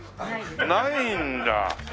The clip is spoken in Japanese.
ないんだ。